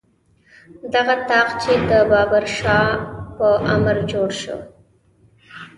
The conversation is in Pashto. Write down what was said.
دغه طاق چې د بابر شاه په امر جوړ شو.